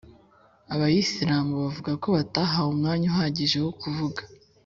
abayisilamu bavuga ko batahawe umwanya uhagije wo kuvuga.